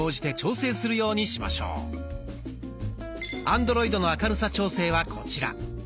アンドロイドの明るさ調整はこちら。